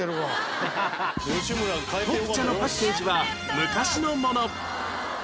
特茶のパッケージは昔のもの